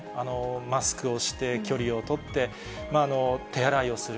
マスクをして、距離を取って、手洗いをする。